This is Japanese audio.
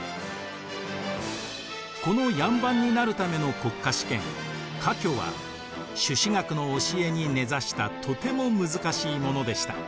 この両班になるための国家試験科挙は朱子学の教えに根ざしたとても難しいものでした。